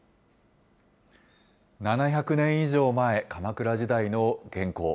７００年以上前、鎌倉時代の元寇。